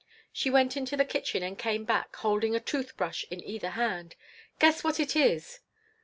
She went into the kitchen and came back, holding a tooth brush in either hand. "Guess what it is."